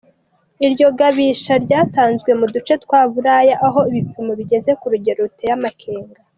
Iryo gabisha ryatanzwe mu duce twa Buraya aho ibipimo bigeze ku rugero ruteye amakenga.